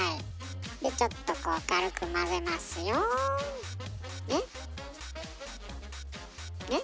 でちょっとこう軽く混ぜますよ。ね？ね？